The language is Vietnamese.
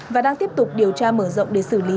và đang tiếp tục điều tra mở rộng để xử lý